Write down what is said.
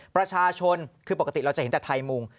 ประชาชนคือปกติเราจะเห็นแต่ไทยมุง